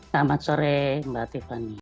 selamat sore mbak tiffany